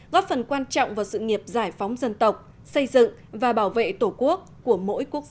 góp phần quan trọng vào sự nghiệp giải phóng dân tộc xây dựng và bảo vệ tổ quốc của mỗi quốc gia